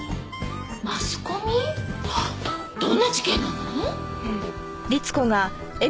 どんな事件なの？